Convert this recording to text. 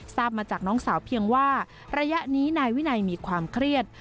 ทราบมาจากน้องสาวเพียงว่าระยะนี้นายวินัยมีความเครียด